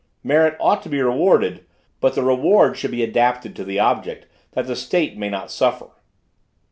Merit ought to be rewarded, but the reward should be adapted to the object, that the State may not suffer."